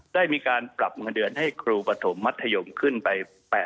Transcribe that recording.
ได้มีการปรับเงินเดือนให้ครูปฐมมัธยมขึ้นไป๘๐๐